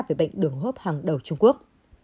về bệnh đường hốp hàng đầu trung quốc